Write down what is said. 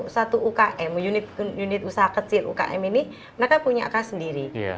satu ukm unit usaha kecil ukm ini mereka punya ak sendiri